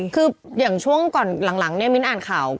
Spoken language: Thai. คืออย่างช่วงก่อนหลังเนี่ยมิ้นอ่านข่าว